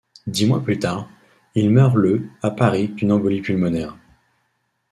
Dix mois plus tard, il meurt le à Paris d’une embolie pulmonaire.